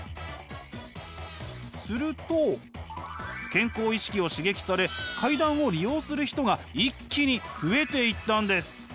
すると健康意識を刺激され階段を利用する人が一気に増えていったんです。